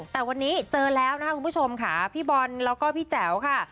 แต่วันนี้เจอแล้วนะคะคุณผู้ชมค่ะพี่บอลแล้วก็พี่แจ๋วค่ะ